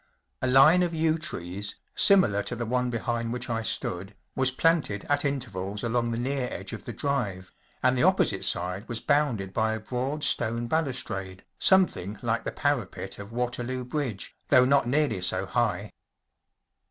A line of yew trees, similar to the one behind which I stood, was planted at intervals along the near edge of the drive, and the opposite side was bounded by a broad stone balustrade, something like the parapet of Waterloo Bridge, though not nearly so high.